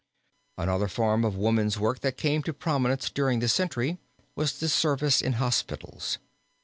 Another form of woman's work that came to prominence during the century was the service in hospitals.